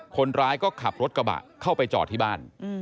คนร้ายก็ขับรถกระบะเข้าไปจอดที่บ้าน